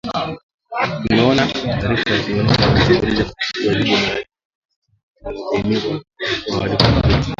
"Tumeona taarifa za kuaminika za mashambulizi ya makusudi dhidi ya raia ambayo chini ya mkataba wa Geneva yangekuwa uhalifu wa kivita,"